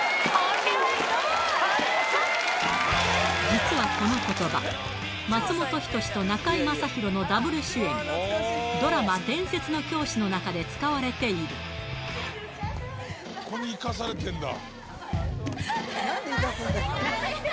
実はこの言葉松本人志と中居正広のダブル主演ドラマ『伝説の教師』の中で使われているここに生かされてんだ！